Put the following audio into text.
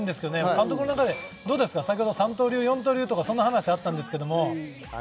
監督の中でどうですか、先ほど三刀流四刀流、そんな話があったんですけれども。